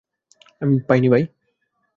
আমি পাইনি ভাই!